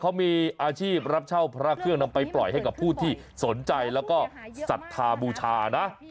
เขามีอาชีพรับเช่าพระเครื่องนำไปปล่อยให้กับผู้ที่สนใจแล้วก็ศรัทธาบูชานะ